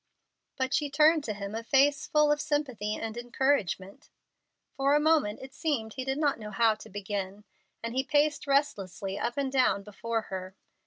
But she turned to him a face full of sympathy and encouragement. For a moment it seemed he did not know how to begin, and he paced restlessly up and down before her.